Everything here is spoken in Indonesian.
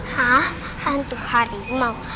hah hantu harimau